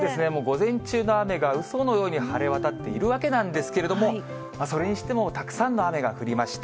午前中の雨がうそのように晴れわたっているわけなんですけれども、それにしてもたくさんの雨が降りました。